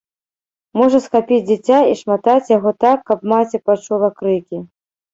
Можа схапіць дзіця і шматаць яго так, каб маці пачула крыкі.